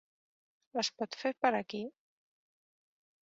Es pot fer per aquí?